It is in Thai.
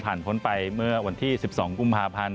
พ้นไปเมื่อวันที่๑๒กุมภาพันธ์